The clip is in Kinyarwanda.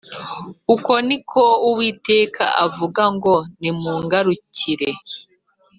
uku ni ko uwiteka avuga ngo nimungarukire